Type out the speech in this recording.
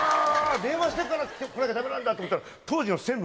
電話してから来なきゃダメなんだって思ったら。